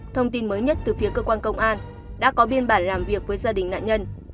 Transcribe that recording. thông tin mới nhất từ phía cơ quan công an đã có biên bản làm việc với gia đình nạn nhân